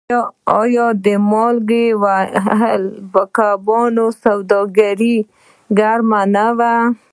آیا د مالګې وهلو کبانو سوداګري ګرمه نه وه؟